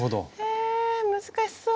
え難しそう。